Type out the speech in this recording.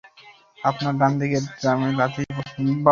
আপনার ডানদিকের ড্রামে লাথি বসান!